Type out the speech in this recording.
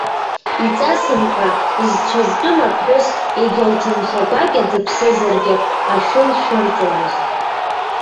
Иҵасым ҳәа, зцәазтәым аԥҳәыс, егьа лҭынха гәакьа дыԥсызаргьы, ашәы лшәырҵомызт.